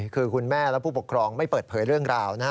คือคุณแม่และผู้ปกครองไม่เปิดเผยเรื่องราวนะฮะ